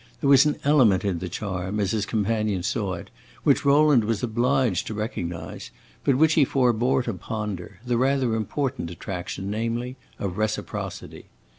There was an element in the charm, as his companion saw it, which Rowland was obliged to recognize, but which he forbore to ponder; the rather important attraction, namely, of reciprocity.